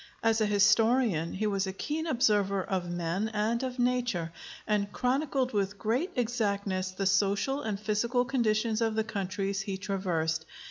As a historian he was a keen observer of men and of nature, and chronicled with great exactness the social and physical conditions of the countries he traversed.